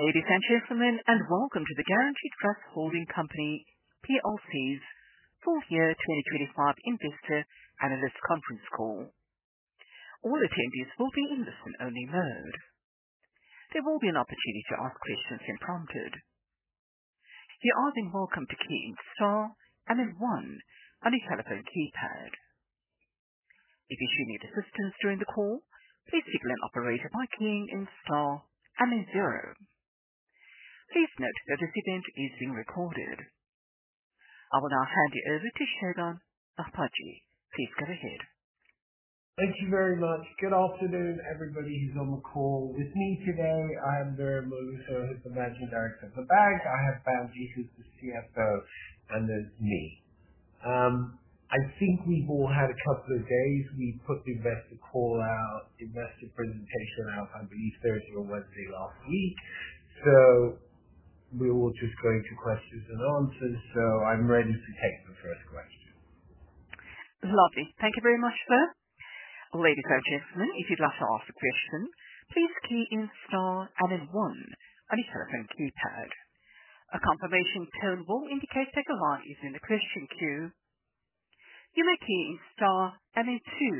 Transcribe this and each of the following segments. Ladies and gentlemen, and welcome to the Guaranty Trust Holding Company Plc's full year 2025 investor analyst conference call. All attendees will be in listen only mode. There will be an opportunity to ask questions when prompted. You are then welcome to key in star and then one on your telephone keypad. If you should need assistance during the call, please signal an operator by keying in star and then zero. Please note that this event is being recorded. I will now hand you over to Segun Agbaje. Please go ahead. Thank you very much. Good afternoon, everybody who's on the call. With me today, I have Miriam Olusanya, who's the Managing Director of the bank. I have Adebanji Adeniyi, who's the CFO, and there's me. I think we've all had a couple of days. We put the investor call out, investor presentation out, I believe Thursday or Wednesday last week. We'll just go to questions and answers. I'm ready to take the first question. Lovely. Thank you very much, sir. Ladies and gentlemen, if you'd like to ask a question, please key in star and then one on your telephone keypad. A confirmation tone will indicate that your line is in the question queue. You may key in star and then two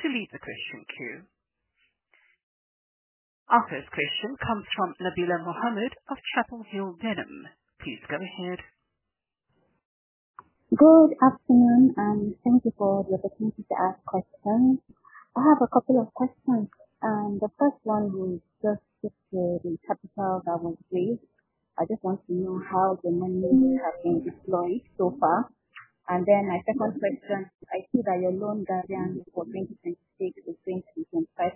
to leave the question queue. Our first question comes from Nabila Mohammed of Chapel Hill Denham. Please go ahead. Good afternoon, and thank you for the opportunity to ask questions. I have a couple of questions. The first one is just with the capital that was raised. I just want to know how the money has been deployed so far. My second question, I see that your loan guidance for 2026 is between 5%.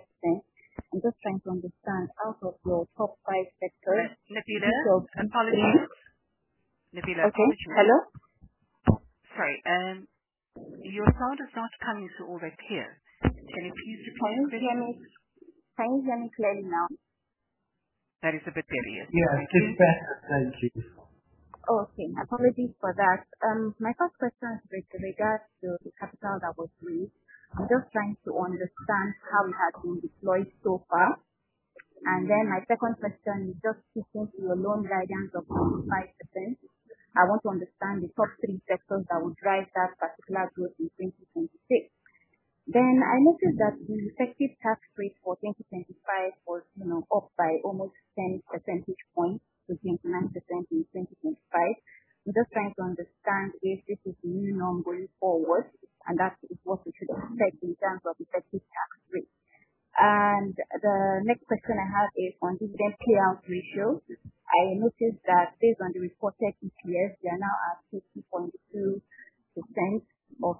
I'm just trying to understand out of your top five sectors- Nabila. Apologies. Nabila. Okay. Hello? Sorry. Your sound is not coming through over here. Can you please repeat the question? Can you hear me? Can you hear me clearly now? That is a bit better. Yes. Yeah. It is better. Thank you. Okay. Apologies for that. My first question is with regards to the capital that was raised. I'm just trying to understand how it has been deployed so far. My second question is just sticking to your loan guidance of 45%. I want to understand the top three sectors that will drive that particular growth in 2026. I noticed that the effective tax rate for 2025 was up by almost 10 percentage points to 39% in 2025. I'm just trying to understand if this is the new norm going forward, and that is what we should expect in terms of effective tax rate. The next question I have is on dividend payout ratio. I noticed that based on the reported EPS, we are now at 50.2% of.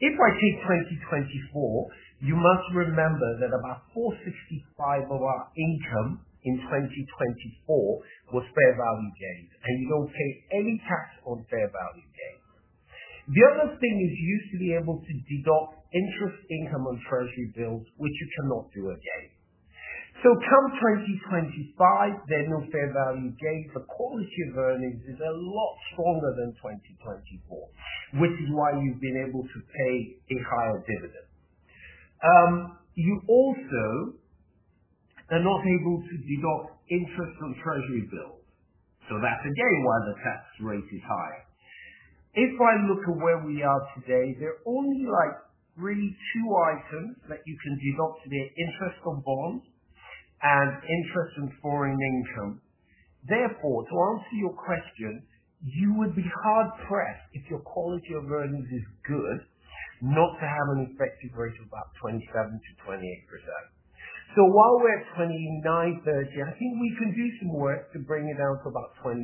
The other thing is you used to be able to deduct interest income on treasury bills, which you cannot do again. Come 2025, there's no fair value gain. The quality of earnings is a lot stronger than 2024, which is why you've been able to pay a higher dividend. You also are not able to deduct interest on treasury bills. That's again why the tax rate is higher. If I look at where we are today, there are only like really two items that you can deduct today, interest on bonds and interest on foreign income. Therefore, to answer your question, you would be hard pressed if your quality of earnings is good not to have an effective rate of about 27%-28%. While we're at 29%-30%, I think we can do some work to bring it down to about 27%.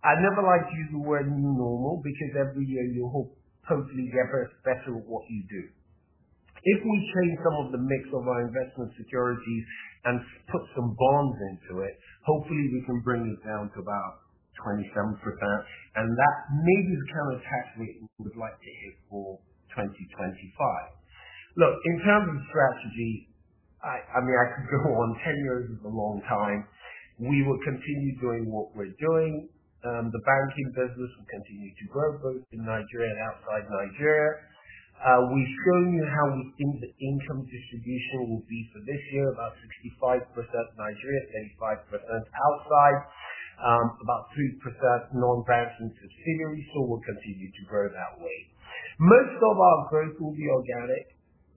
I never like to use the word new normal because every year you hope, hopefully you get better at what you do. If we change some of the mix of our investment securities and put some bonds into it, hopefully we can bring it down to about 27%. That may be the kind of tax rate we would like to hit for 2025. Look, in terms of strategy, I mean, I could go on. 10 years is a long time. We will continue doing what we're doing. The banking business will continue to grow both in Nigeria and outside Nigeria. We've shown you how we think the income distribution will be for this year, about 65% Nigeria, 35% outside, about 3% non-banking subsidiaries. We'll continue to grow that way. Most of our growth will be organic.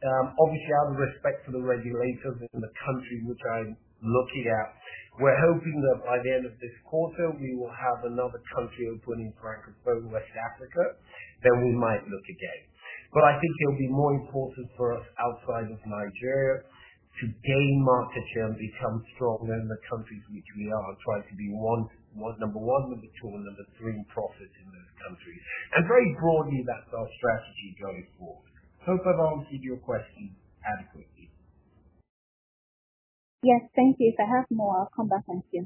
Obviously, out of respect for the regulators in the country which I'm looking at, we're hoping that by the end of this quarter we will have another country opening for [Access Bank] West Africa. Then we might look again. I think it'll be more important for us outside of Nigeria to gain market share and become stronger in the countries in which we are. Try to be number one, number two, and number three profitable in those countries. Very broadly, that's our strategy going forward. I hope I've answered your question adequately. Yes, thank you. If I have more, I'll come back. Thank you.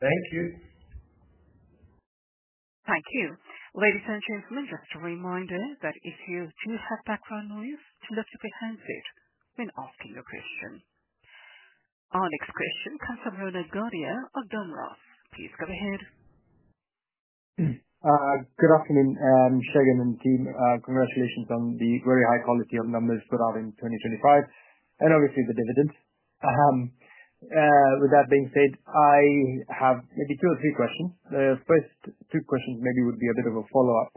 Thank you. Thank you. Ladies and gentlemen, just a reminder that if you do have background noise, to lift your handset when asking your question. Our next question comes from Ronald Goriah of Domras. Please go ahead. Good afternoon, Segun and team. Congratulations on the very high quality of numbers put out in 2025 and obviously the dividends. With that being said, I have maybe two or three questions. The first two questions maybe would be a bit of a follow-up.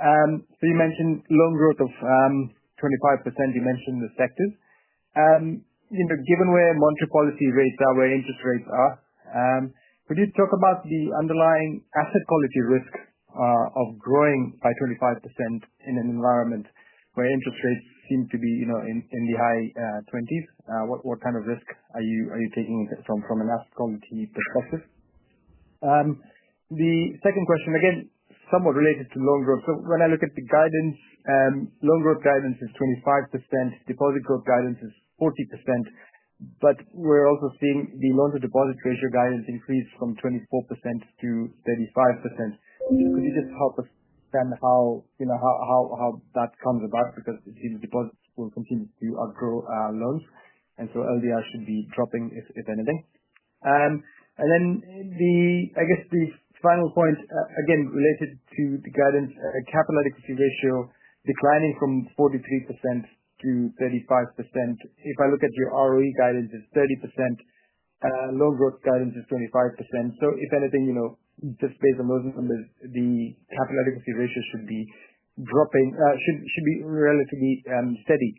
So you mentioned loan growth of 25%. You mentioned the sectors. You know, given where monetary policy rates are, where interest rates are, could you talk about the underlying asset quality risk of growing by 25% in an environment where interest rates seem to be, you know, in the high twenties? What kind of risk are you taking from an asset quality perspective? The second question, again, somewhat related to loan growth. When I look at the guidance, loan growth guidance is 25%, deposit growth guidance is 40%. We're also seeing the loan-to-deposit ratio guidance increase from 24%-35%. Could you just help us understand how, you know, how that comes about? Because it seems deposits will continue to outgrow our loans, and so LDR should be dropping if anything. I guess the final point, again, related to the guidance, capital adequacy ratio declining from 43%-35%. If I look at your ROE guidance, it's 30%. Loan growth guidance is 25%. So if anything, you know, just based on those numbers, the capital adequacy ratios should be dropping, should be relatively steady,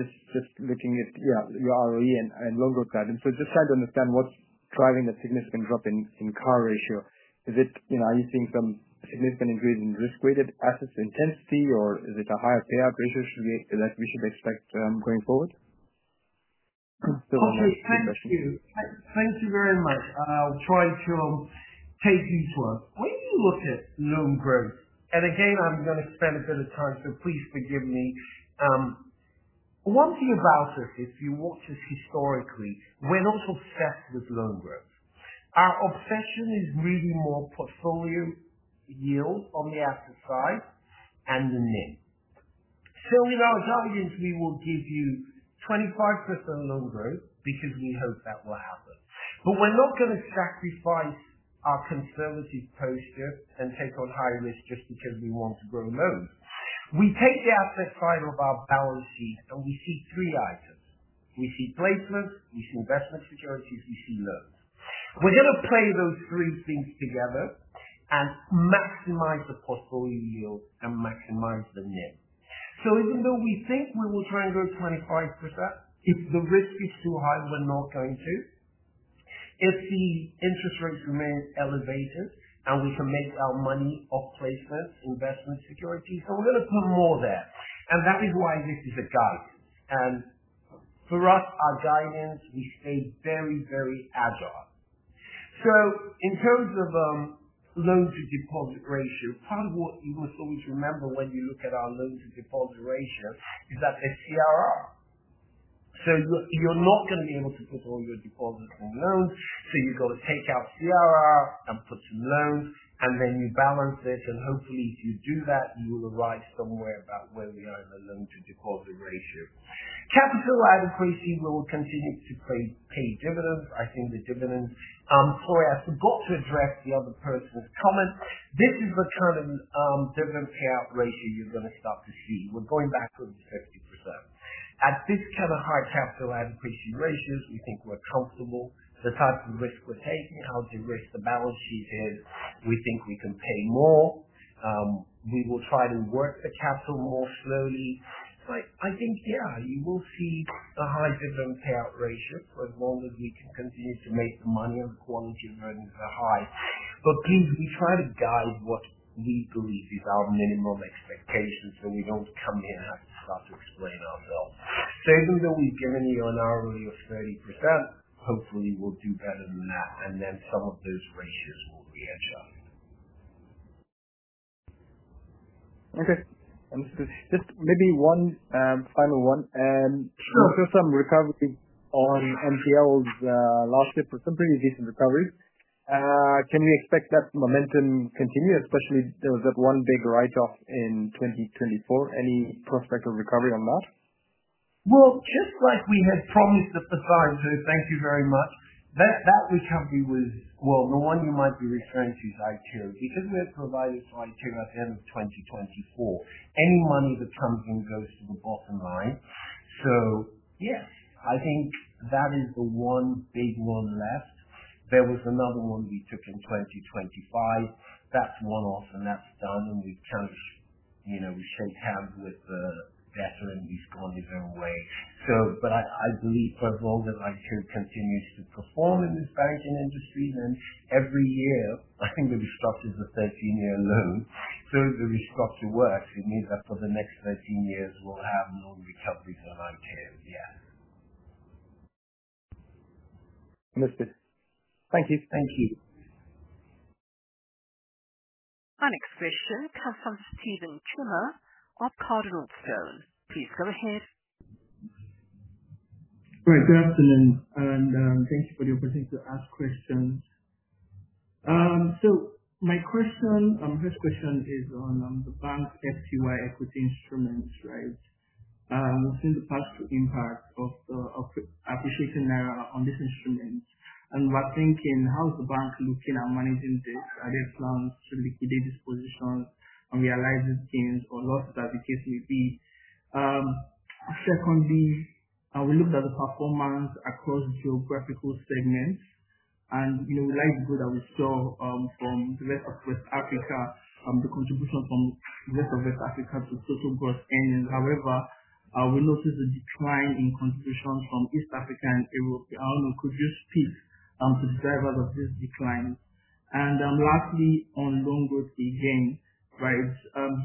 just looking at your ROE and loan growth guidance. Just trying to understand what's driving the significant drop in CAR ratio. Is it, you know, are you seeing some significant increase in risk-weighted assets intensity or is it a higher payout ratio that we should expect going forward? Okay. Thank you. Thank you very much. I'll try to take each one. When you look at loan growth, and again, I'm gonna spend a bit of time, please forgive me. One thing about us, if you watch us historically, we're not obsessed with loan growth. Our obsession is really more portfolio yield on the asset side and the NIM. You know, the guidance we will give you 25% loan growth because we hope that will happen. We're not gonna sacrifice our conservative posture and take on higher risk just because we want to grow loans. We take the asset side of our balance sheet and we see three items. We see placements, we see investment securities, we see loans. We're gonna play those three things together and maximize the portfolio yield and maximize the NIM. Even though we think we will try and grow 25%, if the risk is too high, we're not going to. If the interest rates remain elevated and we can make our money off placement investment securities, we're gonna put more there. That is why this is a guidance. For us, our guidance, we stay very, very agile. In terms of loan to deposit ratio, part of what you must always remember when you look at our loan to deposit ratio is that it's CRR. You're not gonna be able to put all your deposits in loans. You've got to take out CRR and put some loans, and then you balance it, and hopefully if you do that, you will arrive somewhere about where we are in the loan to deposit ratio. Capital Adequacy Ratio will continue to pay dividends. I think the dividends, sorry, I forgot to address the other person's comment. This is the kind of dividend payout ratio you're gonna start to see. We're going back over 50%. At this kind of high capital adequacy ratio, we think we're comfortable. The type of risk we're taking, how de-risked the balance sheet is, we think we can pay more. We will try to work the capital more slowly. I think, yeah, you will see the high dividend payout ratio for as long as we can continue to make money and quality earnings are high. Please, we try to guide what we believe is our minimum expectations, so we don't come here and have to start to explain ourselves. Even though we've given you a hurdle of 30%, hopefully we'll do better than that. Some of those ratios will be adjusted. Okay. Just maybe one final one. Sure. Some recovery on NPLs last year for some pretty decent recovery. Can we expect that momentum continue? Especially there was that one big write-off in 2024. Any prospect of recovery on that? Well, just like we had promised at the start. Thank you very much. That recovery was. Well, the one you might be referring to is Aiteo. Because we have provided to Aiteo at the end of 2024, any money that comes in goes to the bottom line. Yes, I think that is the one big one left. There was another one we took in 2025. That's one-off and that's done, and we've kind of you know, we shake hands with the debtor and we've gone different ways. But I believe for as long as Aiteo continues to perform in this banking industry, then every year I think the restructure is a 13-year loan. If the restructure works, it means that for the next 13 years we'll have more recoveries on Aiteo. Yeah. Understood. Thank you. Thank you. Our next question comes from Steven Chima of CardinalStone. Please go ahead. Right. Good afternoon, and thanks for the opportunity to ask questions. My question, first question is on the bank's FVTOCI equity instruments. Right? We've seen the past impact of appreciating naira on this instrument. We're thinking, how is the bank looking at managing this? Are there plans to liquidate these positions and realize these gains or losses as the case may be? Secondly, we looked at the performance across geographical segments and, you know, we like the growth that we saw from the Rest of West Africa, the contribution from Rest of West Africa to total gross earnings. However, we noticed a decline in contribution from East Africa and Europe. I don't know, could you speak to the drivers of this decline? Lastly, on loan growth again, right?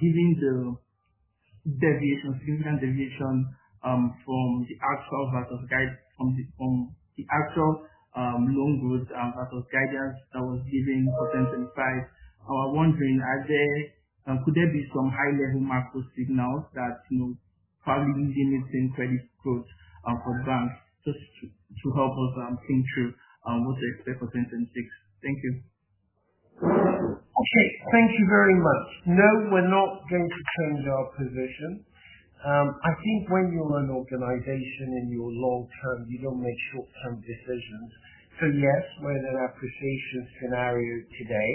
Given the significant deviation from the actual versus guidance for loan growth that was given for 2025. I was wondering, could there be some high-level macro signals that, you know, probably limiting credit growth for banks? Just to help us think through what to expect for 2026. Thank you. Okay. Thank you very much. No, we're not going to change our position. I think when you're an organization and you're long term, you don't make short-term decisions. Yes, we're in an appreciation scenario today,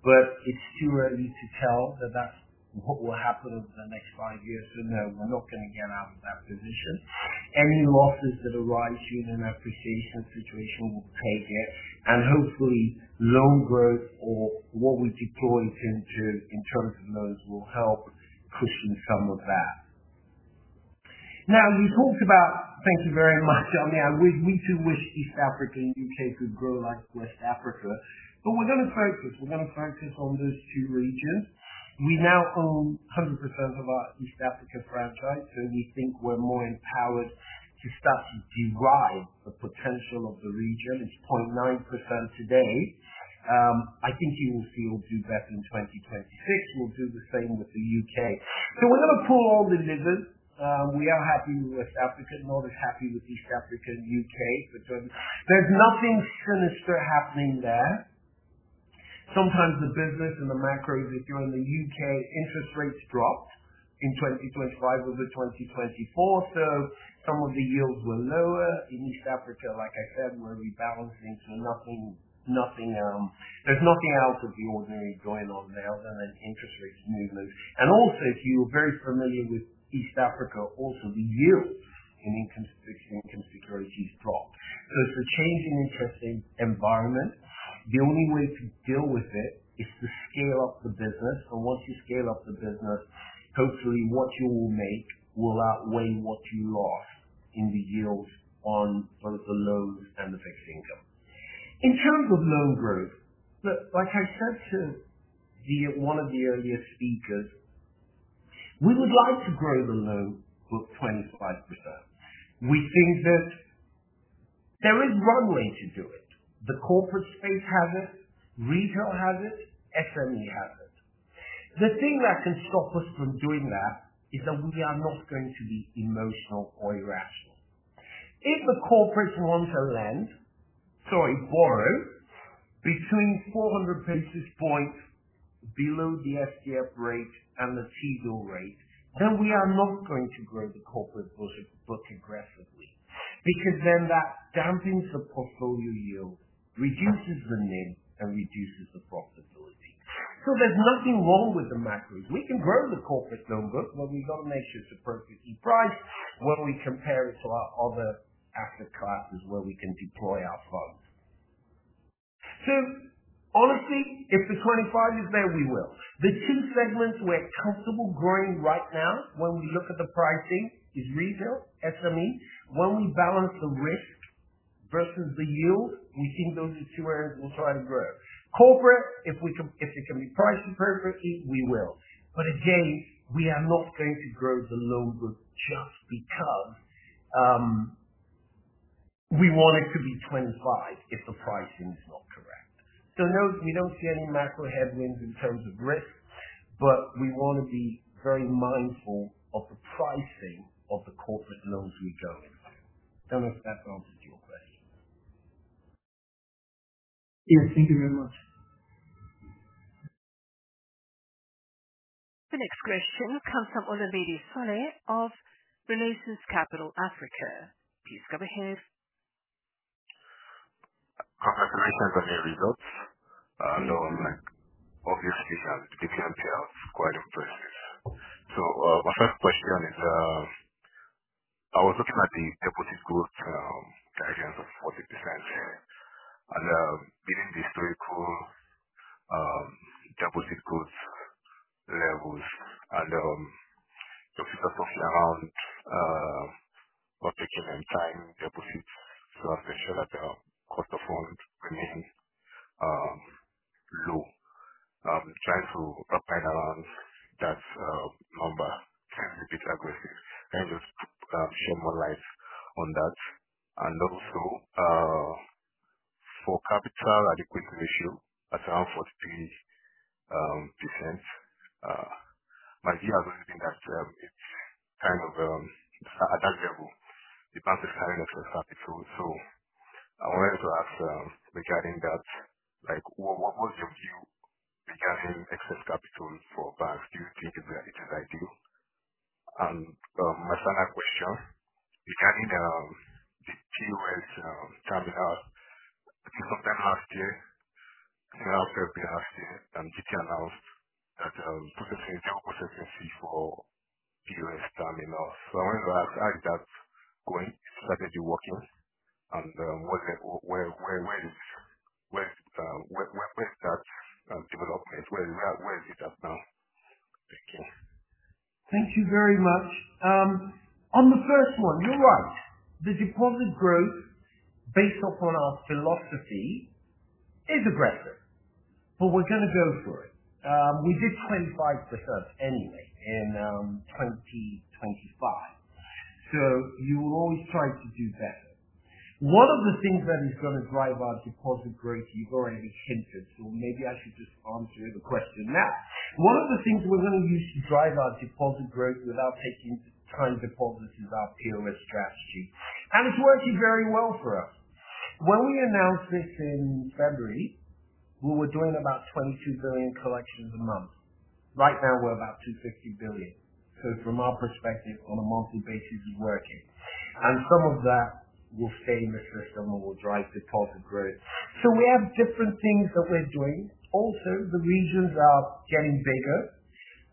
but it's too early to tell that that's what will happen over the next five years. No, we're not gonna get out of that position. Any losses that arise during an appreciation situation, we'll take it. Hopefully loan growth or what we deployed into in terms of loans will help cushion some of that. Now, we talked about. Thank you very much. I mean, we too wish East Africa and UK could grow like West Africa, but we're gonna focus. We're gonna focus on those two regions. We now own 100% of our East Africa franchise, so we think we're more empowered to start to derive the potential of the region. It's 0.9% today. I think you will see we'll do better in 2026. We'll do the same with the U.K. We're gonna pull all the levers. We are happy with West Africa, not as happy with East Africa and U.K. for now. There's nothing sinister happening there. Sometimes the business and the macros that you're in, the U.K. interest rates dropped in 2025 over 2024, so some of the yields were lower. In East Africa, like I said, we're rebalancing, so nothing, there's nothing out of the ordinary going on there other than interest rates movement. If you're very familiar with East Africa, also the yields in fixed income securities dropped. It's a change in interest environment. The only way to deal with it is to scale up the business. Once you scale up the business, hopefully what you will make will outweigh what you lost in the yields on both the loans and the fixed income. In terms of loan growth, look, like I said to one of the earlier speakers, we would like to grow the loan book 25%. We think there is one way to do it. The corporate space has it, retail has it, SME has it. The thing that can stop us from doing that is that we are not going to be emotional or irrational. If the corporate wants to lend, sorry, borrow between 400 basis points below the SDF rate and the T-bill rate, then we are not going to grow the corporate book aggressively. Because then that dampens the portfolio yield, reduces the NIM and reduces the profitability. There's nothing wrong with the macros. We can grow the corporate loan book, but we've got to make sure it's appropriately priced when we compare it to our other asset classes where we can deploy our funds. Honestly, if the 25% is there, we will. The two segments we're comfortable growing right now when we look at the pricing is retail, SME. When we balance the risk versus the yield, we think those are two areas we'll try and grow. Corporate, if it can be priced perfectly, we will. Again, we are not going to grow the loan book just because we want it to be 25% if the pricing is not correct. No, we don't see any macro headwinds in terms of risk, but we wanna be very mindful of the pricing of the corporate loans we're doing. Don't know if that answers your question. Yes. Thank you very much. The next question comes from Samuel Sule of Renaissance Capital Africa. Please go ahead. Congratulations on your results. Obviously the NPL is quite impressive. My first question is, I was looking at the deposit growth guidance of 40% there within the historical deposit growth levels and your focus of around protecting and time deposits. I'm just not sure that your cost of funds remain low, trying to wrap my head around that number can be a bit aggressive. Can you just shed more light on that? Also for capital adequacy ratio at around 40%, my view has always been that it's kind of at that level, the bank is carrying excess capital. I wanted to ask regarding that, like, what is your view regarding excess capital for banks? Do you think it is ideal? My second question regarding the POS terminal. You have said and did announce that putting 20% agency for POS terminal. I wanted to ask how is that going? Is that strategy working? Where is that development? Where is it at now? Thank you. Thank you very much. On the first one, you're right. The deposit growth based upon our philosophy is aggressive, but we're gonna go for it. We did 25% anyway in 2025. You will always try to do better. One of the things that is gonna drive our deposit growth, you've already hinted, so maybe I should just answer the question now. One of the things we're gonna use to drive our deposit growth without taking time deposits is our POS strategy. It's working very well for us. When we announced this in February, we were doing about 22 billion collections a month. Right now we're about 250 billion. From our perspective, on a monthly basis, it's working. Some of that will stay in the system and will drive deposit growth. We have different things that we're doing. Also, the regions are getting bigger.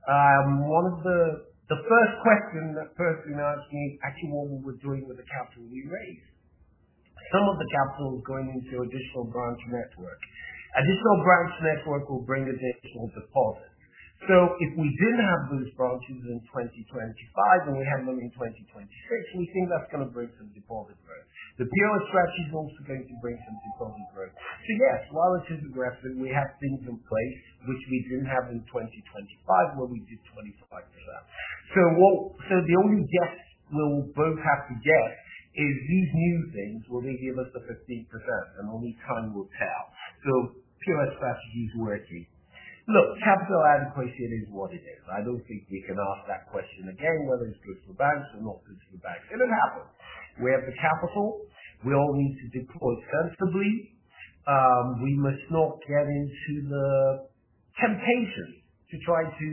The first question that person asked me is actually what we were doing with the capital we raised. Some of the capital is going into additional branch network. Additional branch network will bring additional deposit. If we didn't have those branches in 2025, and we have them in 2026, we think that's gonna bring some deposit growth. The POS strategy is also going to bring some deposit growth. Yes, while it is aggressive, we have things in place which we didn't have in 2025, where we did 25%. What-- the only guess we'll both have to guess is these new things will they give us the 15%? Only time will tell. POS strategy is working. Look, capital adequacy is what it is. I don't think you can ask that question again, whether it's good for banks or not good for banks. It'll happen. We have the capital. We all need to deploy it comfortably. We must not get into the temptation to try to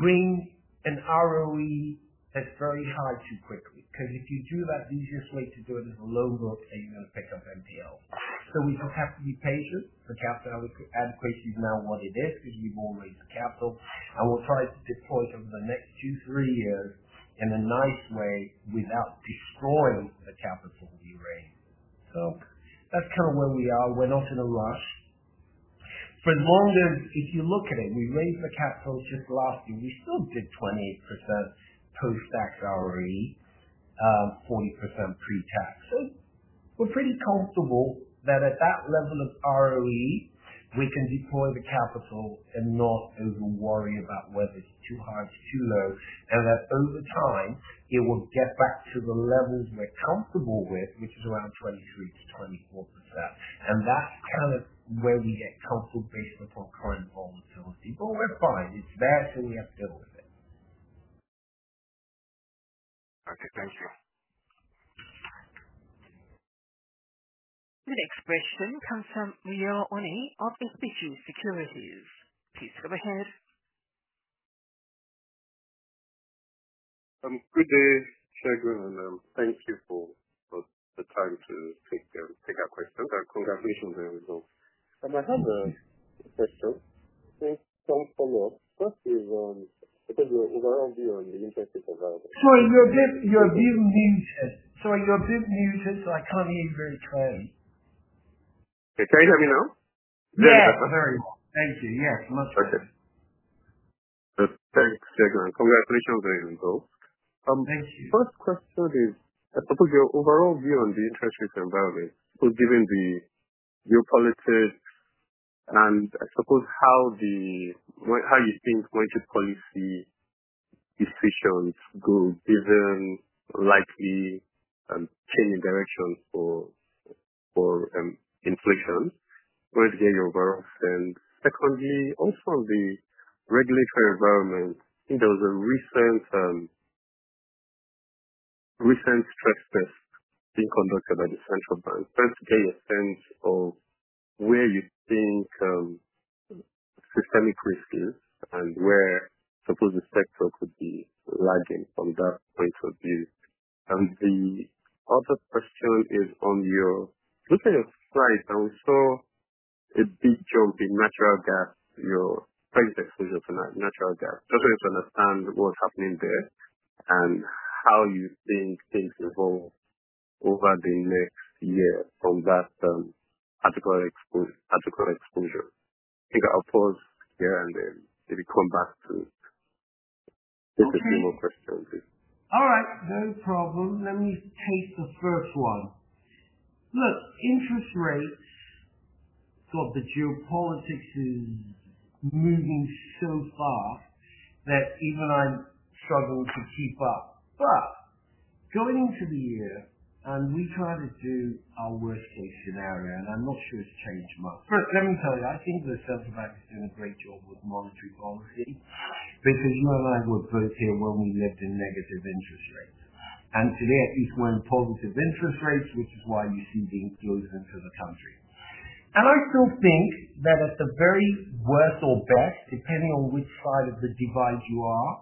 bring an ROE that's very high too quickly. 'Cause if you do that, the easiest way to do it is a loan book, and you're gonna pick up NPL. We just have to be patient. The capital adequacy is now what it is because you've all raised the capital. We'll try to deploy it over the next two, three years in a nice way without destroying the capital that we raised. That's kind of where we are. We're not in a rush. If you look at it, we raised the capital just last year. We still did 28% post-tax ROE, 40% pre-tax. We're pretty comfortable that at that level of ROE, we can deploy the capital and not over worry about whether it's too high, it's too low, and that over time it will get back to the levels we're comfortable with, which is around 23%-24%. That's kind of where we get comfortable based upon current volatility. We're fine. It's there, so we have to deal with it. Okay. Thank you. The next question comes from Leo Oni of Aspicius Securities. Please go ahead. Good day, Segun, and thank you for the time to take our questions, and congratulations on the results. I have a question. Thanks so much. First is, I think your overall view on the interest rate environment. Sorry, you're a bit muted, so I can't hear you very clearly. Can you hear me now? Yeah. Very well. Thank you. Yes, much better. Okay. Thanks, Segun, and congratulations on the results. Thank you. First question is, I suppose, your overall view on the interest rate environment. Given the geopolitics and I suppose how you think monetary policy decisions go, given likely, changing directions for, inflation, where is getting your balance? Secondly, also the regulatory environment. I think there was a recent stress test being conducted by the Central Bank of Nigeria. First, to get a sense of where you think, systemic risk is and where suppose the sector could be lagging from that point of view. The other question is on your. Looking at your price, I saw a big jump in natural gas, your price exposure to natural gas. Just wanted to understand what's happening there and how you think things evolve over the next year from that, article exposure. I think I'll pause here and then maybe come back to. Okay. Just a few more questions. All right. No problem. Let me take the first one. Look, interest rates, well, the geopolitics is moving so fast that even I struggle to keep up. Going into the year, and we try to do our worst-case scenario, and I'm not sure it's changed much. Look, let me tell you, I think the Central Bank is doing a great job with monetary policy because you and I were both here when we lived in negative interest rates. Today it's now positive interest rates, which is why you see the inflows into the country. I still think that at the very worst or best, depending on which side of the divide you are,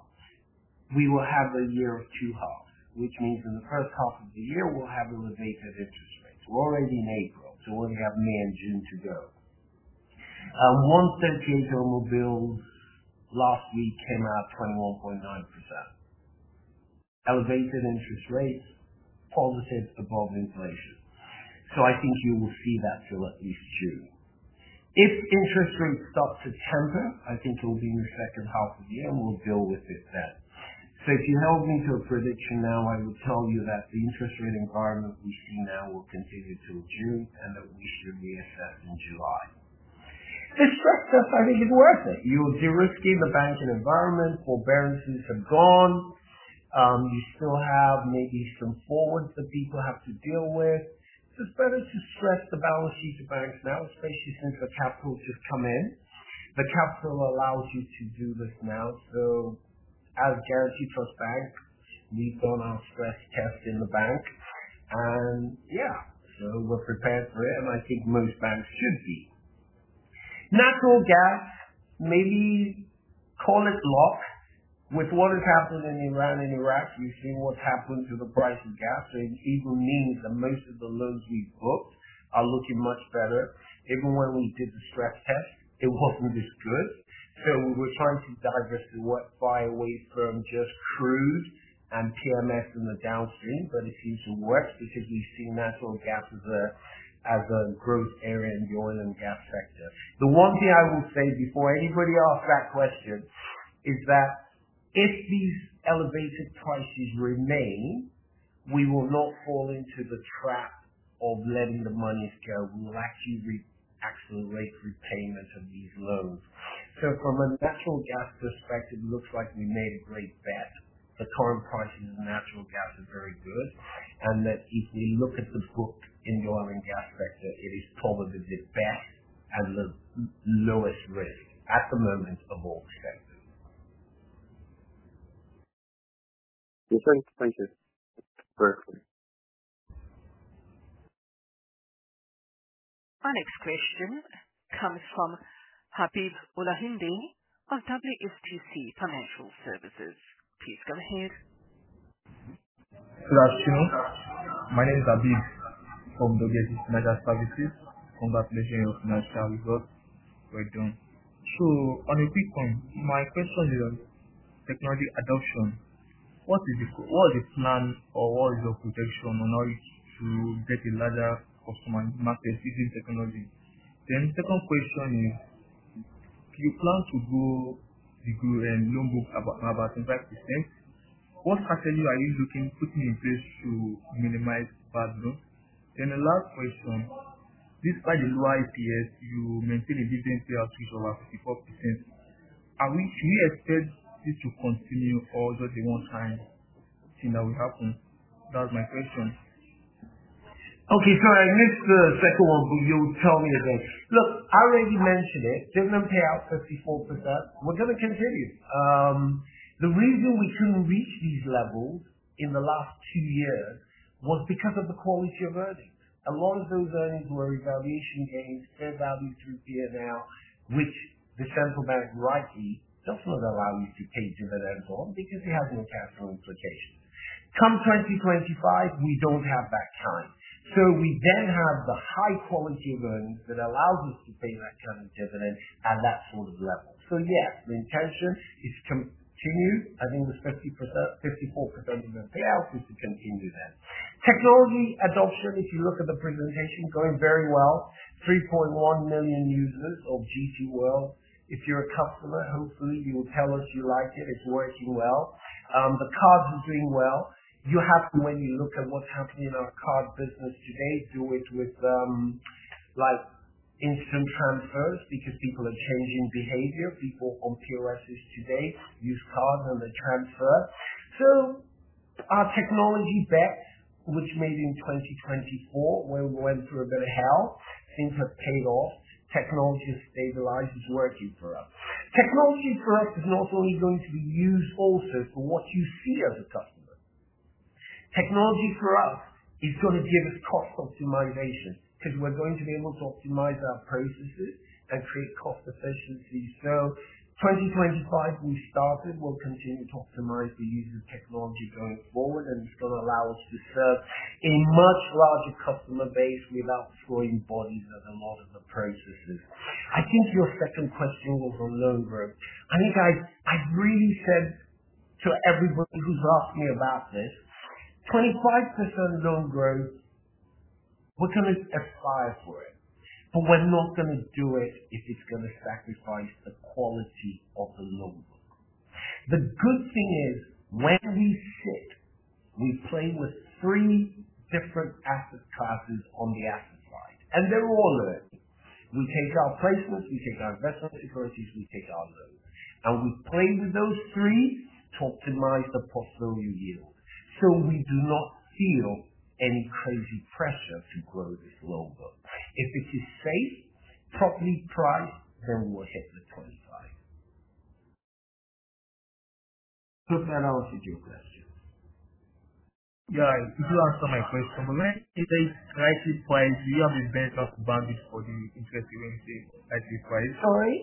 we will have a year of two halves, which means in the first half of the year, we'll have elevated interest rates. We're already in April, so we only have May and June to go. 138-day T-bills last week came out 21.9%. Elevated interest rates, positive above inflation. I think you will see that till at least June. If interest rates start to temper, I think it will be in the second half of the year, and we'll deal with it then. If you held me to a prediction now, I would tell you that the interest rate environment we see now will continue till June and that we should reassess in July. The stress test I think is worth it. You are de-risking the banking environment. Forbearances are gone. You still have maybe some forwards that people have to deal with. It's better to stress the balance sheet of banks now, especially since the capital just come in. The capital allows you to do this now. As Guaranty Trust Bank, we've done our stress test in the bank. Yeah, we're prepared for it, and I think most banks should be. Natural gas, maybe call it luck. With what has happened in Iran and Iraq, you've seen what's happened to the price of gas. It even means that most of the loans we've booked are looking much better. Even when we did the stress test, it wasn't this good. We're trying to diversify away from just crude and PMS in the downstream. It seems to work because we've seen natural gas as a growth area in the oil and gas sector. The one thing I will say before anybody asks that question is that if these elevated prices remain, we will not fall into the trap of letting the monies go. We will actually rate repayment of these loans. From a natural gas perspective, it looks like we made a great bet. The current prices of natural gas are very good, and if we look at the book in the oil and gas sector, it is probably the best and the lowest risk at the moment of all sectors. Okay. Thank you. Our next question comes from Habeeb Audu of WSTC Financial Services. Please go ahead. Hello, Segun. My name is Habeeb from WSTC Financial Services. Congratulations on your financial results. Well done. On a quick one, my question is on technology adoption. What is the plan or what is your projection on how to get a larger customer market using technology? Then second question is- If you plan to go bigger and loan book about 10%-15%, what strategy are you looking, putting in place to minimize bad loan? The last question, despite the lower EPS, you maintain a dividend payout ratio of 54%. Should we expect this to continue or was that a one-time thing that will happen? That was my question. Okay. I missed the second one, but you'll tell me again. Look, I already mentioned it. Dividend payout 54%, we're gonna continue. The reason we couldn't reach these levels in the last two years was because of the quality of earnings. A lot of those earnings were revaluation gains, fair value through P&L, which the Central Bank rightly does not allow you to pay dividends on because it has no capital implication. Come 2025, we don't have that challenge. We then have the high quality of earnings that allows us to pay that kind of dividend at that sort of level. Yes, the intention is to continue. I think the 50%, 54% dividend payout is to continue then. Technology adoption, if you look at the presentation, going very well, 3.1 million users of GTWorld. If you're a customer, hopefully you will tell us you like it's working well. The cards are doing well. You have to, when you look at what's happening in our card business today, do it with, like instant transfers because people are changing behavior. People on POSs today use cards and they transfer. Our technology bet, which maybe in 2024 where we went through a bit of hell, things have paid off. Technology has stabilized. It's working for us. Technology for us is not only going to be used also for what you see as a customer. Technology for us is gonna give us cost optimization, 'cause we're going to be able to optimize our processes and create cost efficiencies. 2025, we started, we'll continue to optimize the use of technology going forward, and it's gonna allow us to serve a much larger customer base without throwing bodies at a lot of the processes. I think your second question was on loan growth. I think I really said to everybody who's asked me about this, 25% loan growth, we're gonna aspire for it, but we're not gonna do it if it's gonna sacrifice the quality of the loan book. The good thing is when we sit, we play with three different asset classes on the asset side, and they're all earning. We take our placements, we take our investment securities, we take our loans, and we play with those three to optimize the portfolio yield. We do not feel any crazy pressure to grow this loan book. If it is safe, properly priced, then we'll hit the 25. Hope I answered your questions. Yeah. Could you answer my question on that? What's your pricing? Do you have a benchmark band for the interest you're lending at your pricing? Sorry.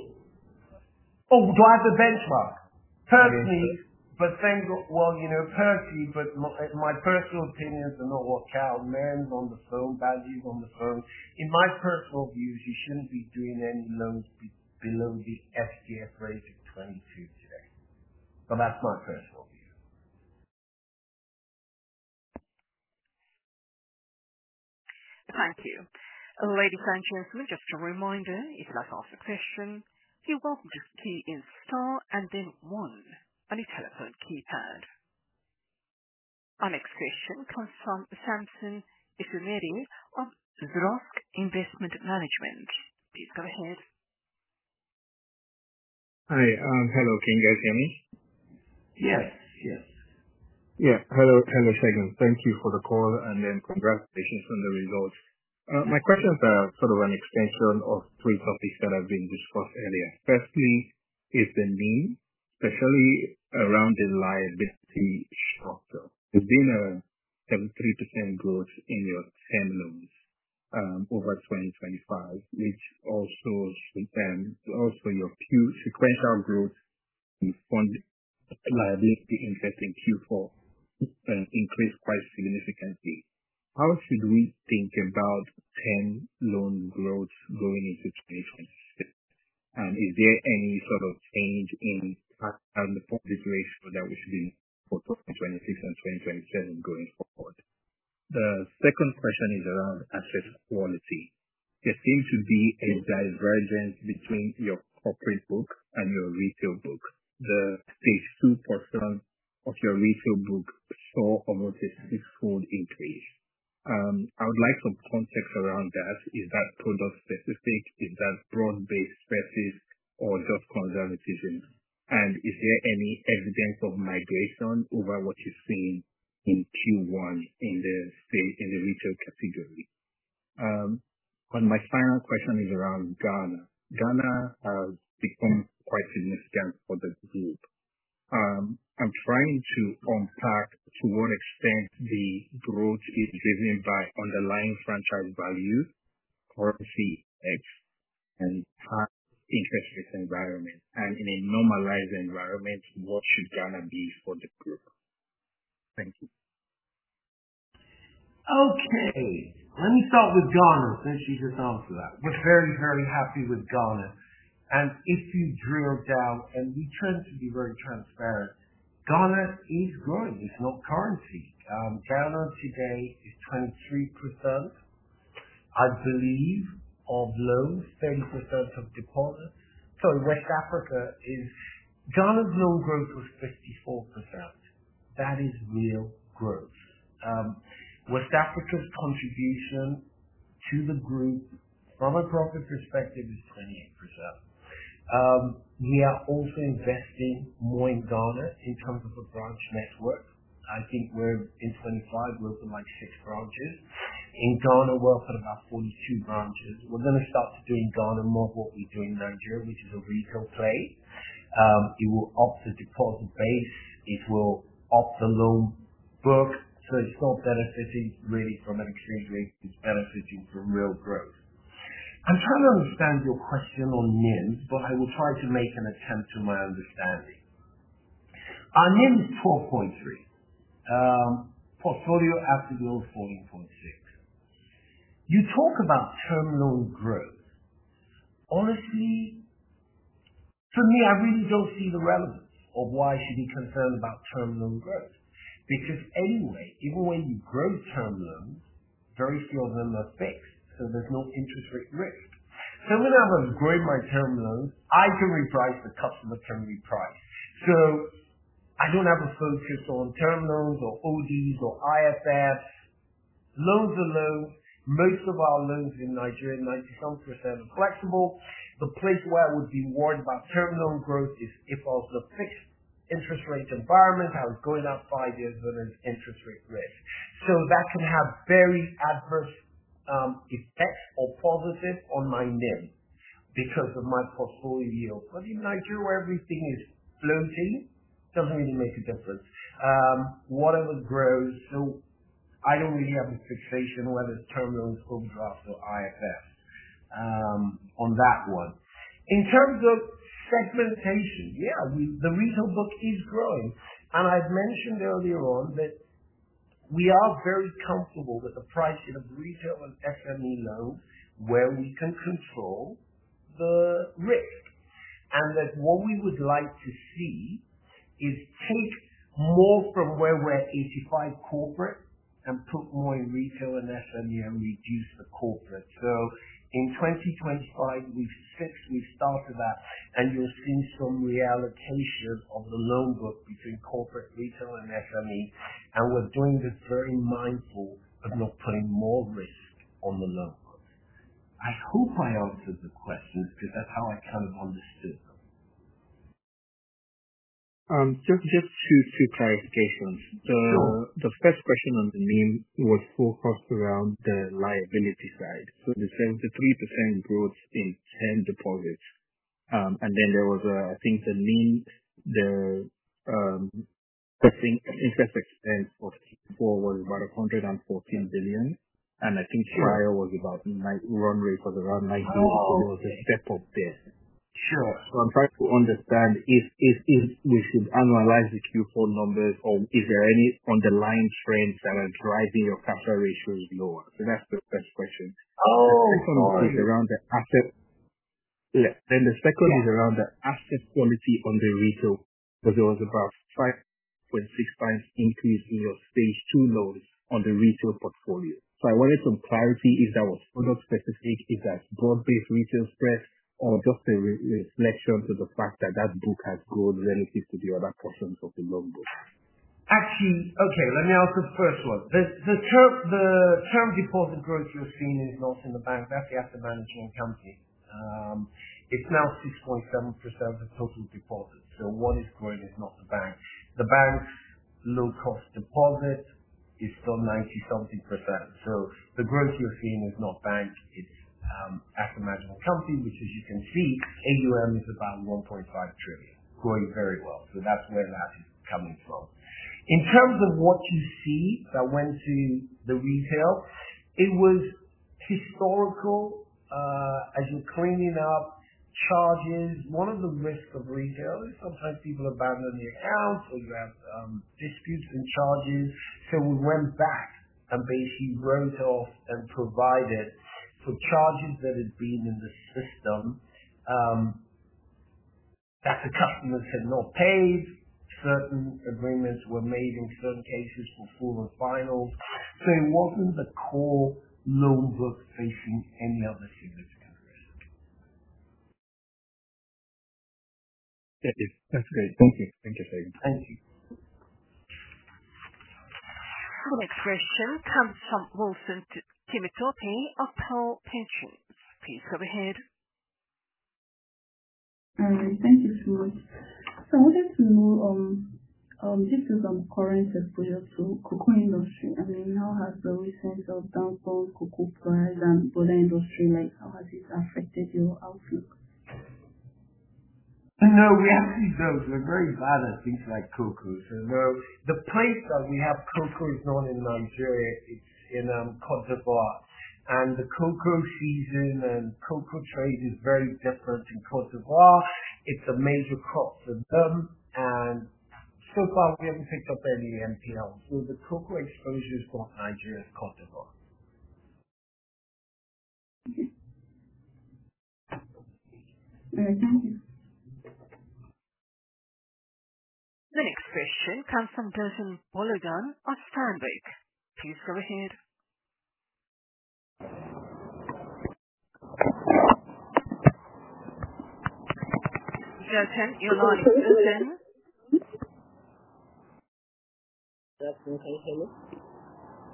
Do I have a benchmark? Well, you know, my personal opinions are not what Cal Man is on the phone, Value is on the phone. In my personal views, you shouldn't be doing any loans below the SDF rate of 22 today. That's my personal view. Thank you. Ladies and gentlemen, just a reminder, if you'd like to ask a question, you're welcome to key in star and then one on your telephone keypad. Our next question comes from Samson Esemuede of Zrosk Investment Management. Please go ahead. Hi. Hello. Can you guys hear me? Yes. Yes. Yeah. Hello. Hello, Segun. Thank you for the call and then congratulations on the results. My questions are sort of an extension of three topics that have been discussed earlier. First is the need, especially around the liability structure. You're doing 73% growth in your term loans over 2025. Also your Q sequential growth in fund liability interest in Q4 increased quite significantly. How should we think about term loan growth going into 2026? Is there any sort of change in ratio that we should expect for 2026 and 2027 going forward? The second question is around asset quality. There seems to be a divergence between your corporate book and your retail book. The stage 2% of your retail book saw almost a six-fold increase. I would like some context around that. Is that product specific? Is that broad-based stresses or just conservatism? Is there any evidence of migration over what you're seeing in Q1 in the state, in the retail category? My final question is around Ghana. Ghana has become quite significant for the group. I'm trying to unpack to what extent the growth is driven by underlying franchise value versus X and high interest rate environment. In a normalized environment, what should Ghana be for the group? Thank you. Okay. Let me start with Ghana since you just asked for that. We're very, very happy with Ghana. If you drill down, and we tend to be very transparent, Ghana is growing. It's not currency. Ghana today is, I believe, 23% of loans, 30% of deposits. West Africa. Ghana's loan growth was 54%. That is real growth. West Africa's contribution to the group from a profit perspective is 28%. We are also investing more in Ghana in terms of a branch network. I think we're in 25, we opened like six branches. In Ghana, we opened about 42 branches. We're gonna start to do in Ghana more of what we do in Nigeria, which is a retail play. It will up the deposit base, it will up the loan book. It's not benefiting really from exchange rate, it's benefiting from real growth. I'm trying to understand your question on NIM, but I will try to make an attempt to my understanding. Our NIM is 4.3%. Portfolio after yield, 14.6%. You talk about term loan growth. Honestly, to me, I really don't see the relevance of why I should be concerned about term loan growth. Because anyway, even when you grow term loans, very few of them are fixed, so there's no interest rate risk. When I was growing my term loans, I can reprice the customer can be priced. I don't have a focus on term loans or ODs or ISF. Loans are loans. Most of our loans in Nigeria, 90-some percent are flexible. The place where I would be worried about term loan growth is if I was a fixed interest rate environment, I was going out five years with an interest rate risk. That can have very adverse effects or positive on my NIM because of my portfolio yield. In Nigeria where everything is floating, it doesn't really make a difference. Whatever grows. I don't really have a fixation whether it's term loans, overdraft or ISF, on that one. In terms of segmentation, yeah, the retail book is growing. I've mentioned earlier on that we are very comfortable with the pricing of retail and SME loans where we can control the risk. That's what we would like to see is take more from where we're 85% corporate and put more in retail and SME and reduce the corporate. In 2025, we've said we started that, and you'll see some reallocation of the loan book between corporate retail and SME, and we're doing this very mindful of not putting more risk on the loan book. I hope I answered the question because that's how I kind of understood. Just two clarifications. Sure. The first question on the NIM was focused around the liability side. The 73% growth in term deposits. And then I think the NIM, the interest expense for Q4 was about 114 billion. Sure. I think prior was about nine. Run rate was around 90. Okay. There was a step up there. Sure. I'm trying to understand if we should annualize the Q4 numbers or is there any underlying trends that are driving your capital ratios lower? That's the first question. Oh. The second is around the asset quality on the retail, because there was about 5.6 times increase in your stage two loans on the retail portfolio. I wanted some clarity if that was product specific, is that broad-based retail stress or just a mere reflection to the fact that that book has grown relative to the other portions of the loan book? Okay, let me answer the first one. The term deposit growth you're seeing is not in the bank. That's the asset management company. It's now 6.7% of total deposits. What is growing is not the bank. The bank's low cost deposit is still 90-something percent. The growth you're seeing is not the bank, it's asset management company, which as you can see, AUM is about 1.5 trillion. Growing very well. That's where that is coming from. In terms of what you see that went to the retail, it was historical, as we're cleaning up charges. One of the risks of retail is sometimes people abandon the account or you have disputes and charges. We went back and basically wrote off and provided for charges that had been in the system, that the customers had not paid. Certain agreements were made in certain cases before the final. It wasn't the core loan book facing any other significant risk. That's great. Thank you. Thank you, Segun Agbaje. Thank you. Our next question comes from Wilson Temitope of PAL Pensions. Please go ahead. Thank you so much. I wanted to know, this is on current exposure to cocoa industry. I mean, now has the recent downfall of cocoa price and broader industry, like how has this affected your outlook? You know, we actually don't. We're very bad at things like cocoa. No. The place that we have cocoa is not in Nigeria, it's in Côte d'Ivoire. The cocoa season and cocoa trade is very different in Côte d'Ivoire. It's a major crop for them, and so far we haven't picked up any NPL. The cocoa exposure for Nigeria is Côte d'Ivoire. Okay. All right. Thank you. The next question comes from Dele Akintola of Stanbic Bank. Please go ahead. Dele, your line is open. Dele Akintola, can you hear me?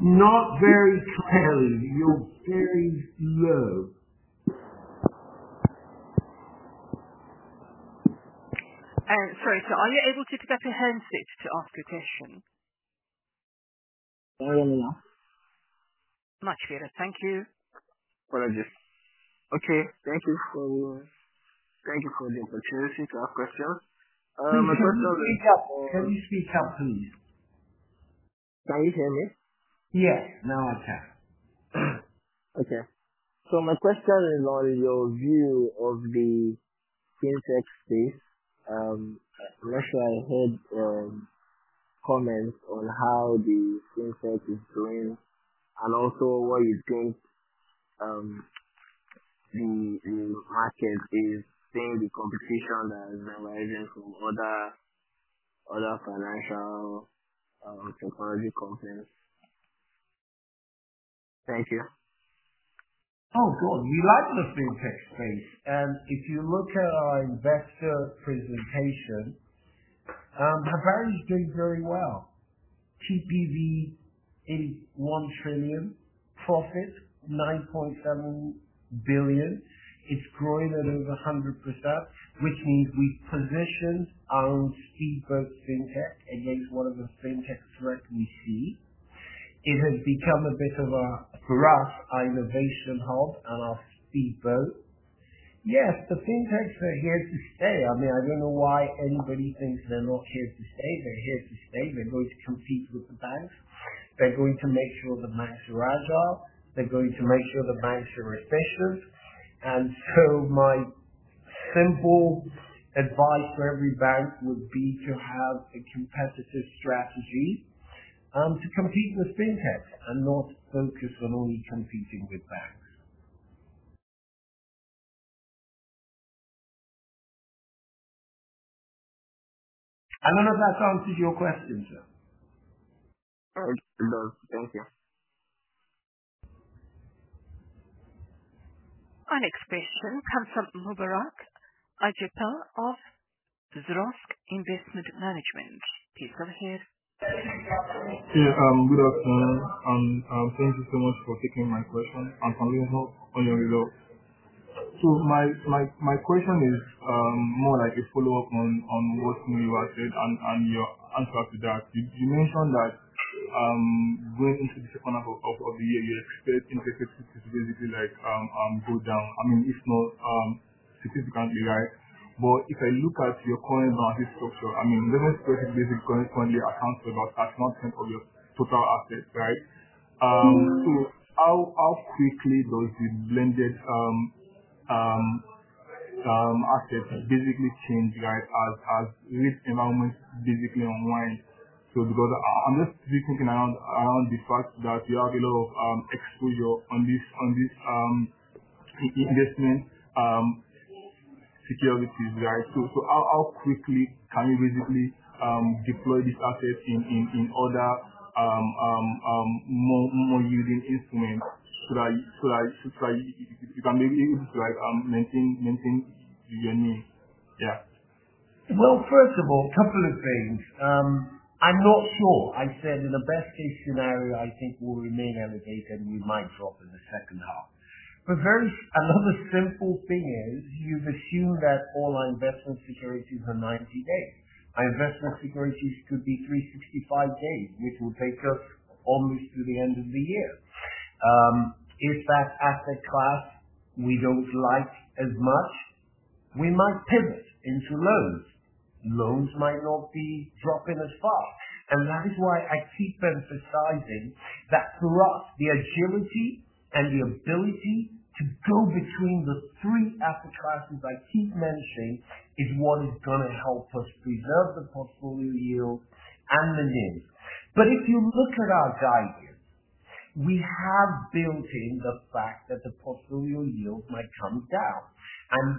Not very well. You're very low. Sorry, sir. Are you able to pick up a handset to ask your question? How am I now? Much better. Thank you. Apologies. Okay, thank you for the opportunity to ask questions. My first question. Can you speak up, please? Can you hear me? Yes, now I can. My question is on your view of the Fintech space. I'm not sure I heard comments on how the Fintech is doing and also what you think the market is seeing the competition that is arising from other financial technology companies. Thank you. Oh, good. We like the Fintech space. If you look at our investor presentation, our bank's doing very well. TPV is 1 trillion, profit 9.7 billion. It's growing at over 100%, which means we've positioned our speedboat Fintech against one of the Fintechs threat we see. It has become a bit of a, for us, our innovation hub and our speedboat. Yes, the Fintechs are here to stay. I mean, I don't know why anybody thinks they're not here to stay. They're here to stay. They're going to compete with the banks. They're going to make sure the banks are agile. They're going to make sure the banks are efficient. My simple advice for every bank would be to have a competitive strategy to compete with Fintechs and not focus on only competing with banks. I don't know if that answered your question, sir. It does. Thank you. Our next question comes from Mubarak Ajenipa of Zrosk Investment Management. Please go ahead. Yeah. Good afternoon. Thank you so much for taking my question and for the update on your results. My question is more like a follow-up on what New Grass said and your answer after that. You mentioned that going into the second half of the year, you expect interest rates to basically like go down. I mean, if not significantly, right? But if I look at your current balance sheet structure, I mean, liquid assets basically currently accounts for about a small chunk of your total assets, right? How quickly does the blended assets basically change, right, as risk allowance basically unwind. Because I'm just really thinking around the fact that you have a lot of exposure on this investment securities, right? How quickly can you basically deploy these assets in other more yielding instruments? If you can maybe maintain your NIM? Yeah. Well, first of all, couple of things. I'm not sure. I said in the best case scenario, I think we'll remain elevated and we might drop in the second half. Another simple thing is you've assumed that all our investment securities are 90 days. Our investment securities could be 365 days, which will take us almost through the end of the year. If that asset class we don't like as much, we might pivot into loans. Loans might not be dropping as fast. That is why I keep emphasizing that for us, the agility and the ability to go between the three asset classes I keep mentioning is what is gonna help us preserve the portfolio yield and the NIM. If you look at our guidance, we have built in the fact that the portfolio yield might come down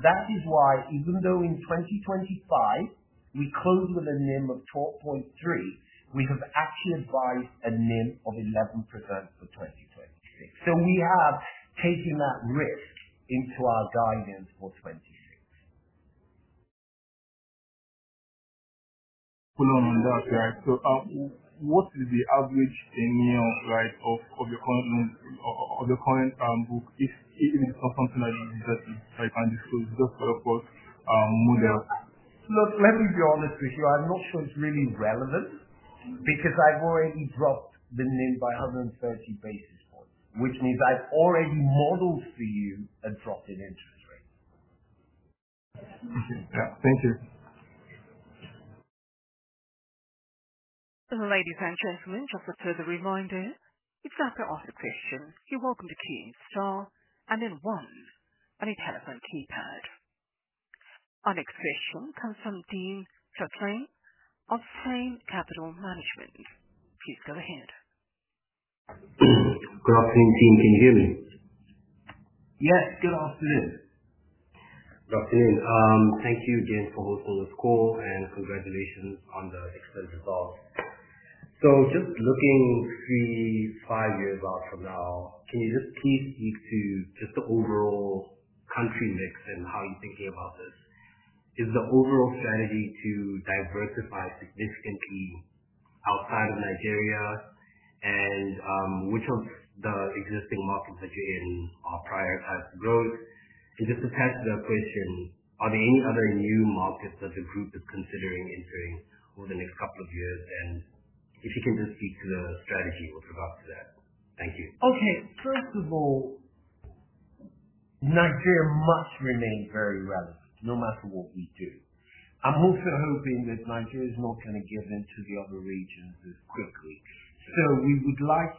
that is why even though in 2025 we closed with a NIM of 12.3, we have actually advised a NIM of 11% for 2026. we have taken that risk into our guidance for 2026. Hold on that, yeah. What is the average NIM, like, of your current loans of your current book, if it's something that you'd be happy to, like, disclose, just for model? Look, let me be honest with you. I'm not sure it's really relevant because I've already dropped the NIM by 130 basis points, which means I've already modeled for you a drop in interest rates. Okay. Yeah. Thank you. Ladies and gentlemen, just a further reminder, if you have to ask a question, you're welcome to key star and then one on your telephone keypad. Our next question comes from Dean Chachai of Frame Capital Management. Please go ahead. Good afternoon, team Standard Bank. Yes, good afternoon. Good afternoon. Thank you again for this call, and congratulations on the excellent results. Just looking 3-5 years out from now, can you just please speak to just the overall country mix and how you're thinking about this? Is the overall strategy to diversify significantly outside of Nigeria and which of the existing markets that you're in are prioritized for growth? Just to add to the question, are there any other new markets that the group is considering entering over the next couple of years? If you can just speak to the strategy with regard to that. Thank you. Okay. First of all, Nigeria must remain very relevant no matter what we do. I'm also hoping that Nigeria is not gonna give in to the other regions as quickly. We would like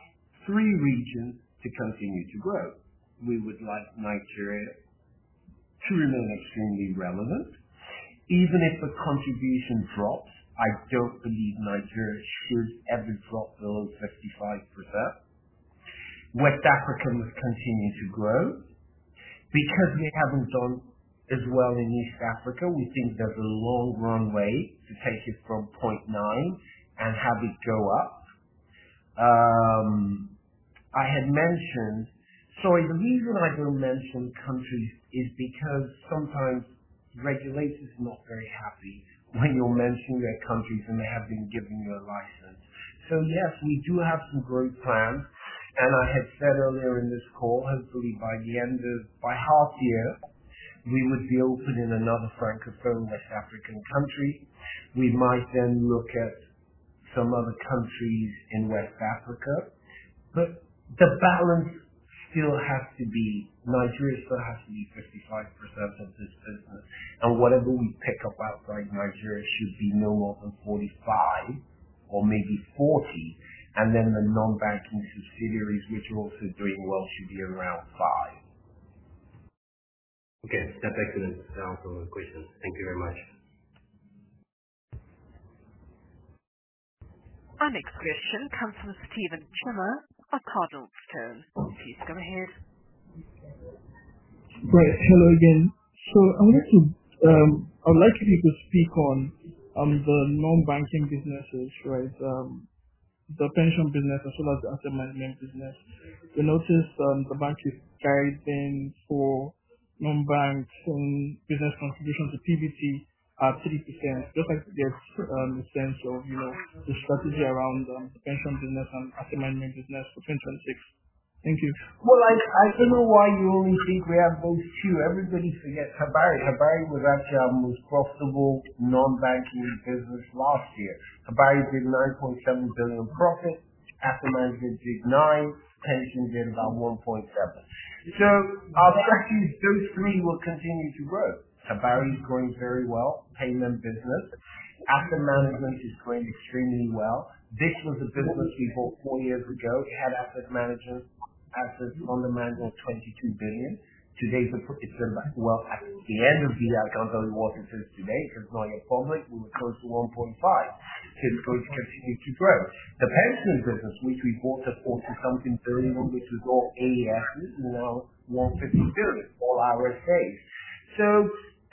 three regions to continue to grow. We would like Nigeria to remain extremely relevant. Even if the contribution drops, I don't believe Nigeria should ever drop below 55%. West Africa must continue to grow. Because we haven't done as well in East Africa, we think there's a long runway to take it from 0.9% and have it go up. The reason I don't mention countries is because sometimes regulators are not very happy when you're mentioning their countries, and they haven't given you a license. Yes, we do have some growth plans. I had said earlier in this call, hopefully by the end of By half year, we would be open in another Francophone West African country. We might then look at some other countries in West Africa. The balance still has to be. Nigeria still has to be 55% of this business. Whatever we pick up outside Nigeria should be no more than 45% or maybe 40%. Then the non-banking subsidiaries, which are also doing well, should be around 5%. Okay. That's excellent. That answers my questions. Thank you very much. Our next question comes from Stephen Chima at CardinalStone. Please go ahead. Right. Hello again. I would like for you to speak on the non-banking businesses, right? The pension business as well as the asset management business. We noticed the bank is guiding for non-banking business contribution to PBT at 30%. Just like to get a sense of, you know, the strategy around the pension business and asset management business for 2026. Thank you. Well, I don't know why you only think we have those two. Everybody forgets HabariPay. HabariPay was actually our most profitable non-banking business last year. HabariPay did 9.7 billion profit. Asset Management did 9 billion. Pension did about 1.7 billion. Our strategy, those three will continue to grow. HabariPay is growing very well, payment business. Asset Management is growing extremely well. This was a business we bought four years ago. It had assets under management of 22 billion. Today, but it's in, well, at the end of the year, I can't tell you what it is today because it's not yet published. We were close to 1.5. It will continue to grow. The pension business, which we bought at 40-something billion, which was all AES, is now NGN 150 billion, all RSA.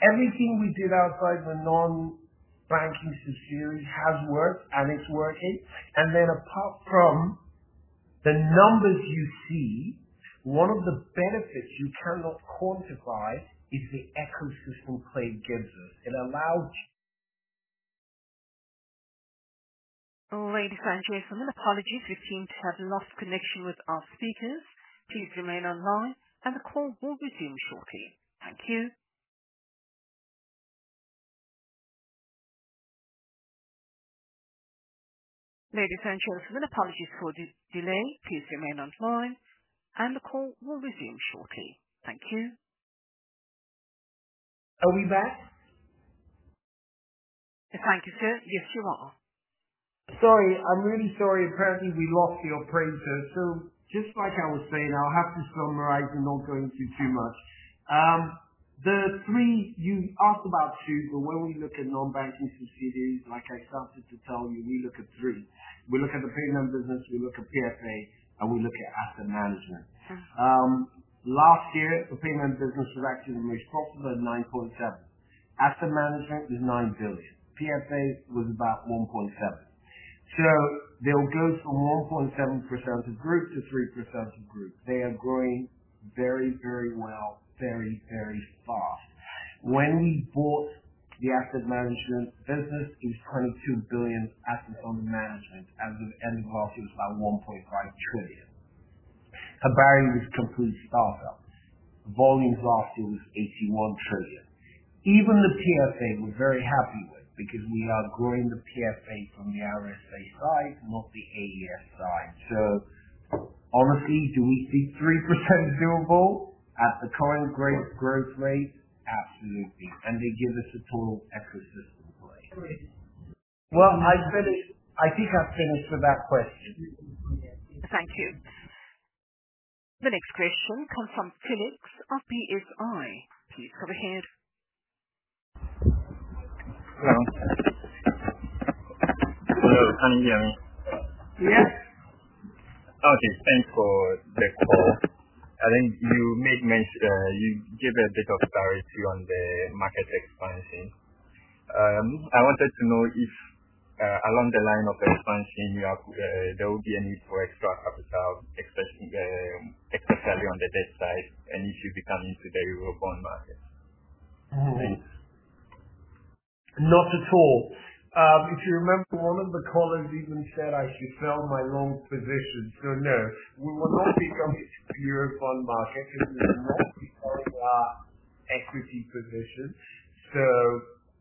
Everything we did outside the non-banking subsidiary has worked, and it's working. Apart from the numbers you see, one of the benefits you cannot quantify is the ecosystem play gives us. It allows. Ladies and gentlemen, apologies. We seem to have lost connection with our speakers. Please remain online, and the call will resume shortly. Thank you. Ladies and gentlemen, apologies for the delay. Please remain online, and the call will resume shortly. Thank you. Are we back? Thank you, sir. Yes, you are. Sorry. I'm really sorry. Apparently, we lost the operator. Just like I was saying, I'll have to summarize and not go into too much. You asked about two, but when we look at non-banking subsidiaries, like I started to tell you, we look at three. We look at the payment business, we look at PFA, and we look at asset management. Last year, the payment business was actually the most profitable at 9.7 billion. Asset management was 9 billion. PFA was about 1.7 billion. They'll go from 1.7% of group to 3% of group. They are growing very, very well, very, very fast. When we bought the asset management business, it was 22 billion assets under management. As of end of last year, it was at NGN 1.5 trillion. HabariPay was a complete startup. Volumes last year was 81 trillion. Even the PFA we're very happy with because we are growing the PFA from the RSA side, not the AES side. Honestly, do we see 3% doable at the current growth rate? Absolutely. They give us a total ecosystem play. Well, I've finished. I think I've finished with that question. Thank you. The next question comes from Phoenix at PSI. Please go ahead. Hello. Hello, can you hear me? Yes. Okay, thanks for the call. I think you gave a bit of clarity on the market expansion. I wanted to know if, along the line of expansion you have, there will be a need for extra capital, especially on the debt side, and if you'd be coming to the Eurobond market. Not at all. If you remember, one of the callers even said I should sell my long position. No, we will not be coming to the Eurobond market because we're not selling our equity position.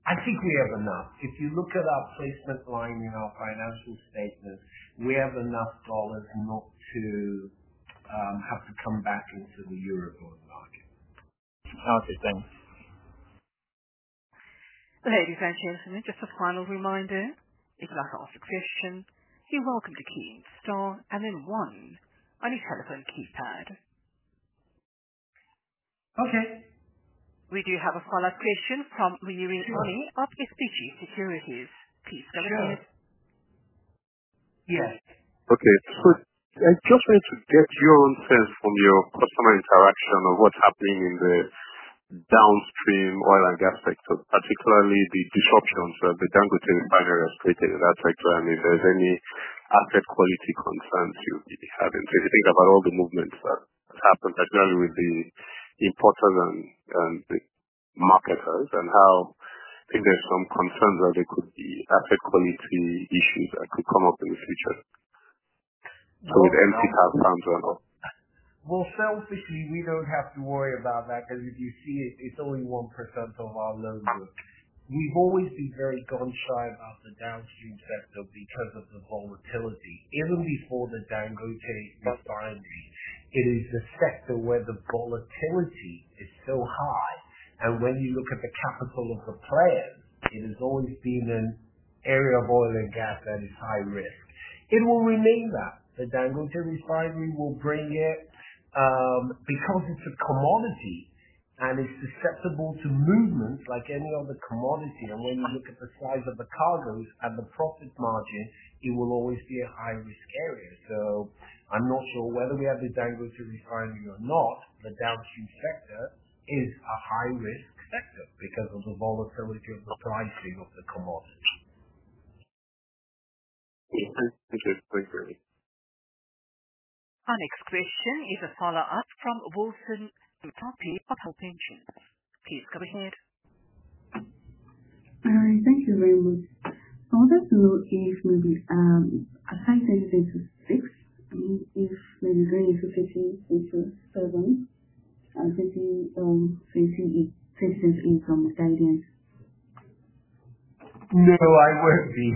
I think we have enough. If you look at our placement line in our financial statements, we have enough dollars not to have to come back into the Eurobond market. Okay, thanks. Ladies and gentlemen, just a final reminder. If you'd like to ask a question, you're welcome to key star and then one on your telephone keypad. Okay. We do have a follow-up question from Marie in RTSG Securities. Please go ahead. Yes. Okay. I just want to get your own sense from your customer interaction of what's happening in the downstream oil and gas sector, particularly the disruptions that the Dangote Refinery has created in that sector. If there's any asset quality concerns you'd be having. If you think about all the movements that has happened, especially with the importers and the marketers, and how if there's some concerns that there could be asset quality issues that could come up in the future. We have concerns or not. Well, selfishly, we don't have to worry about that because if you see it's only 1% of our loan book. We've always been very gun-shy about the downstream sector because of the volatility. Even before the Dangote Refinery, it is the sector where the volatility is so high. When you look at the capital of the players, it has always been an area of oil and gas that is high risk. It will remain that. The Dangote Refinery will bring it because it's a commodity and it's susceptible to movements like any other commodity. When you look at the size of the cargoes and the profit margin, it will always be a high risk area. I'm not sure whether we have the Dangote Refinery or not, the downstream sector is a high risk sector because of the volatility of the pricing of the commodity. Okay, thanks. Appreciate it. Our next question is a follow-up from Wilson Temitope with PAL Pensions. Please go ahead. Thank you very much. I wanted to know if maybe, aside from 2026, if maybe 2027 could be, maybe a potential income guidance? No, I won't be.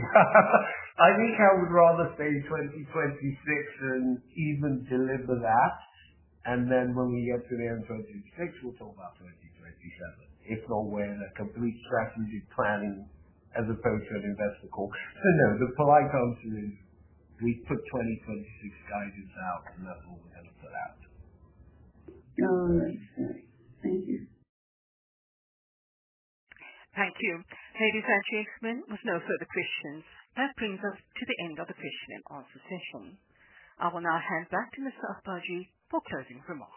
I think I would rather say 2026 and even deliver that. When we get to the end of 2026, we'll talk about 2027. It's not the complete strategic planning as opposed to an investor call. No, the polite answer is we've put 2026 guidance out and that's all we're gonna put out. All right. Thank you. Thank you. Ladies and gentlemen, with no further questions, that brings us to the end of the question and answer session. I will now hand back to Mr. Agbaje for closing remarks.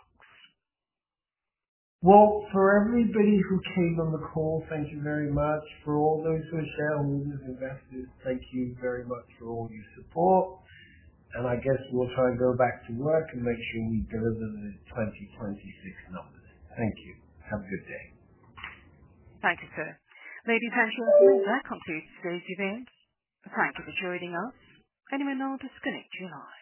Well, for everybody who came on the call, thank you very much. For all those who are shareholders and investors, thank you very much for all your support. I guess we'll try and go back to work and make sure we deliver the 2026 numbers. Thank you. Have a good day. Thank you, sir. Ladies and gentlemen, that concludes today's event. Thank you for joining us. You may now disconnect your line.